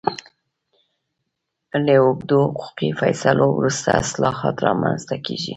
له اوږدو حقوقي فیصلو وروسته اصلاحات رامنځته کېږي.